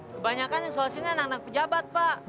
kebanyakan yang soal sini anak anak pejabat pak